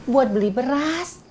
buat beli berat